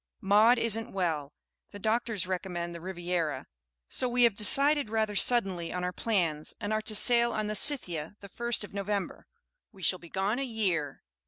"Maud isn't well, the doctors recommend the Riviera, so we have decided rather suddenly on our plans, and are to sail on the 'Scythia' the first of November. We shall be gone a year."